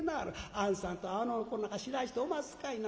あんさんとあの子の仲知らん人おますかいな。